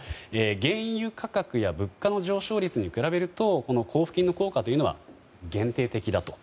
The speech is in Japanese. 原油価格や物価の上昇率に比べると交付金の効果というのは限定的だと。